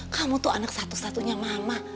kamu tuh anak satu satunya mama